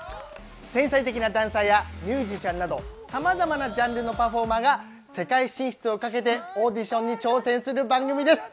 天才的なダンサーやミュージシャンなど、さまざまなジャンルのパフォーマーが世界進出をかけてオーディションに挑戦する番組です。